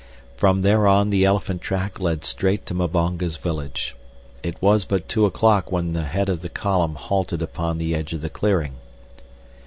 From there on the elephant track led straight to Mbonga's village. It was but two o'clock when the head of the column halted upon the edge of the clearing.